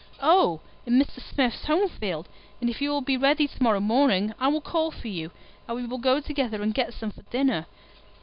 "Oh, in Mr. Smith's home field; and if you will be ready to morrow morning, I will call for you, and we will go together and get some for dinner."